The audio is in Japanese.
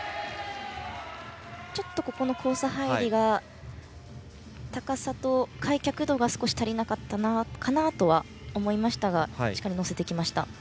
ちょっと交差入りが高さと開脚度が足りなかったかなと思いましたがしっかり乗せてきました。